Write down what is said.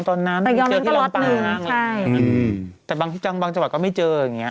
สำหรับลายองเราไม่เจอ